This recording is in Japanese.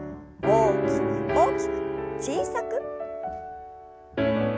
大きく大きく小さく。